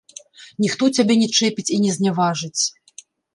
Ніхто цябе не чэпіць і не зняважыць.